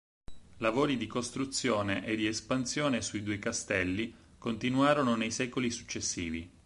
Lavori di costruzione e di espansione sui due castelli continuarono nei secoli successivi.